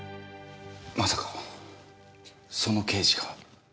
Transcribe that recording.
まさかその刑事が？